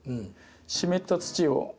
湿った土を。